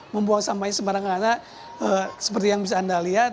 membuang sampahnya sebarang arang seperti yang bisa anda lihat